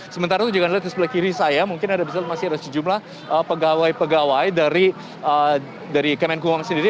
sementara itu jangan lihat di sebelah kiri saya mungkin ada bisa masih ada sejumlah pegawai pegawai dari kemenkum ham sendiri